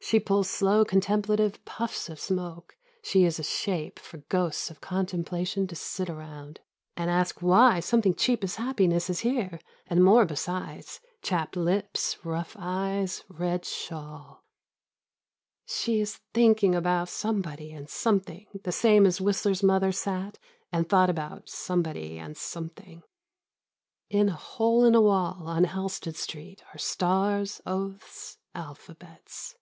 She pulls slow contemplative puffs of smoke; she is a shape for ghosts of contemplation to sit around and 42 Gypsy Mother ask why something cheap as happiness is here and more besides, chapped lips, rough eyes, red shawl. She is thinking about somebody and something the same as Whistler's mother sat and thought about some body and something. In a hole in a wall on Halsted Street are stars, oaths, alphabets.